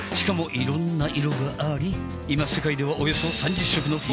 いろんな色があり世界ではおよそ３０色の侫鵐璽